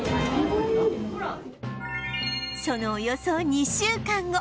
そのおよそ２週間後